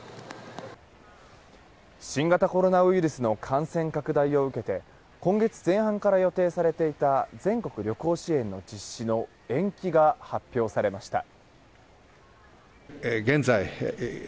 新型コロナウイルスの感染拡大を受けて今月前半から予定されていた全国旅行支援の実施の延期が発表されました。